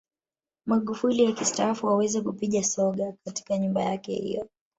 Magufuli akistaafu waweze kupiga soga katika nyumba yake hiyo